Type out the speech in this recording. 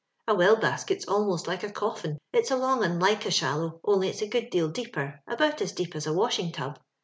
A well basket's almost like a coffin; it's a long un like a shallow, on'y it's a good deal deeper — about as deep as a washin' tub.